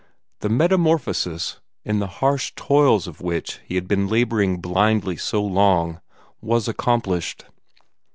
The metamorphosis, in the harsh toils of which he had been laboring blindly so long, was accomplished.